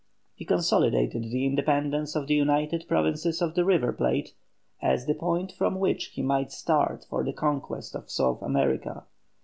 He consolidated the independence of the United Provinces of the River Plate as the point from which he might start for the conquest of South America.